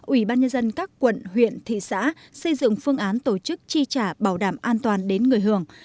ủy ban nhân dân các quận huyện thị xã xây dựng phương án tổ chức chi trả bảo đảm an toàn đến người hưởng